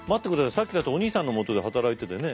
さっきお兄さんのもとで働いてたよね？